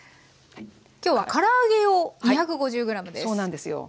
今日はから揚げ用２５０ｇです。